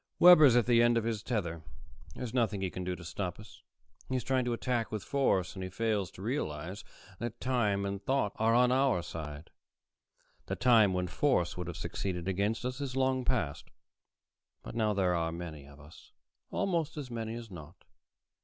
Webber's at the end of his tether. There's nothing he can do to stop us. He's trying to attack with force, and he fails to realize that time and thought are on our side. The time when force would have succeeded against us is long past. But now there are many of us, almost as many as not."